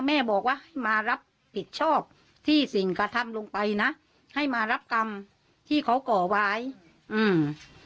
แม่บอกว่าให้มารับผิดชอบที่สิ่งกระทำลงไปนะให้มารับกรรมที่เขาก่อไว้อืม